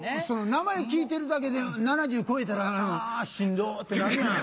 名前聞いてるだけで７０超えたら「あしんど」ってなるやん。